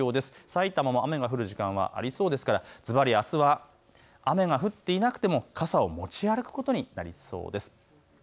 さいたまも雨の降る時間がありそうですからあすは雨が降っていなくても傘を持ち歩くことになりそうです。